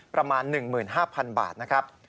ประมาณ๑๕๐๐๐บาทนะครับ